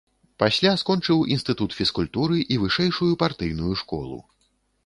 Пасля скончыў інстытут фізкультуры і вышэйшую партыйную школу.